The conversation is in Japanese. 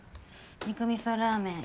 肉みそラーメン